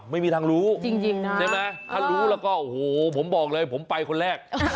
ไม่มีทางรู้ถ้ารู้แล้วก็โอ้โหผมบอกเลยผมไปคนแรก